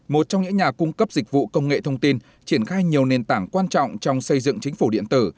một trong những nhà cung cấp dịch vụ công nghệ thông tin triển khai nhiều nền tảng quan trọng trong xây dựng chính phủ điện tử